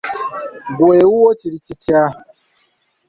Ggwe ewuwo kiri kitya?